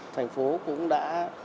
thành phố cũng đã